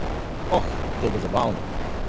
Oh, to bo zabavno!